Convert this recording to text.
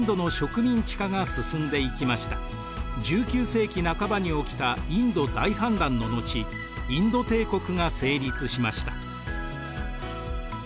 １９世紀半ばに起きたインド大反乱の後インド帝国が成立しました。